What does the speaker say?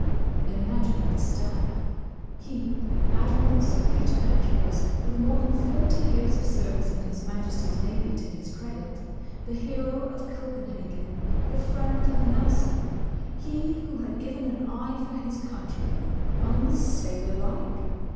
'" Imagine the stab. He, Admiral Sir Peter Antrobus, with more than forty years of service in His Majesty's Navy to his credit; the hero of Copenhagen; the friend of Nelson; he, who had given an eye for his country—unsailor like!